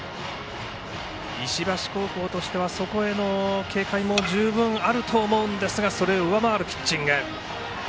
石橋高校としてはそこへの警戒も十分あると思うんですがそれを上回るピッチング。